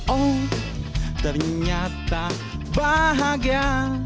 oh ternyata bahagia